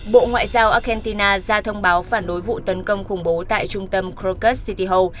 bộ ngoại giao argentina ra thông báo phản đối vụ tấn công khủng bố tại trung tâm crocus city hall